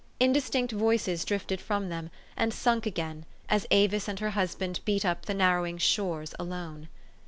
Indistinct voices drifted from them, and sunk again, as Avis and her husband beat up the narrowing shores alone.